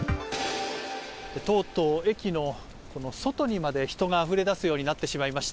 とうとう駅の外にまで人があふれ出すようになってしまいました。